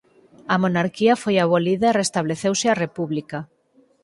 A monarquía foi abolida e restableceuse a República.